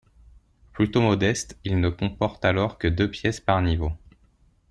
Plutôt modeste, il ne comporte alors que deux pièces par niveau.